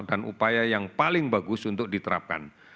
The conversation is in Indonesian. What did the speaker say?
dan upaya yang paling bagus untuk diterapkan